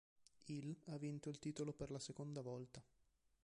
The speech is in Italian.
Il ha vinto il titolo per la seconda volta.